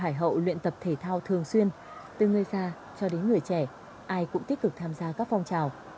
hải hậu luyện tập thể thao thường xuyên từ người già cho đến người trẻ ai cũng tích cực tham gia các phong trào